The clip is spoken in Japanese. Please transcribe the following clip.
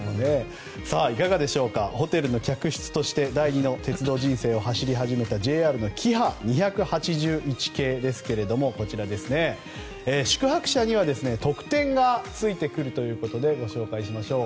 ホテルの客室として第二の鉄道人生を走り始めたＪＲのキハ２８１系ですけれども宿泊者には特典が付いてくるということでご紹介しましょう。